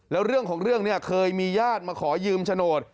แล้วเรื่องของเรื่องเนี่ยเคยมีญาติมาขอยืมโฉนด